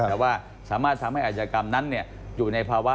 แต่ว่าสามารถทำให้อาชญากรรมนั้นอยู่ในภาวะ